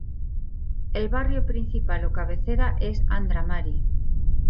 El barrio principal o cabecera es Andra Mari.